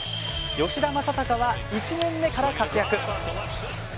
吉田正尚は、１年目から活躍。